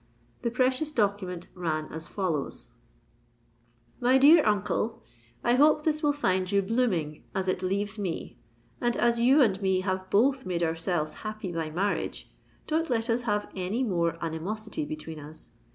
The precious document ran as follows:— "MY DEAR UNCLE, "I hope this will find you blooming, as it leaves me; and as you and me have both made ourselves happy by marriage, don't let us have any more animosity between us.